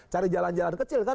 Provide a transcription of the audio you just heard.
cari jalan jalan kecil kan